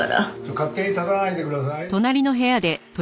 勝手に立たないでください。